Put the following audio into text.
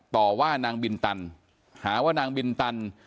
ต่อว่านางบินตันหาว่านางบินตัน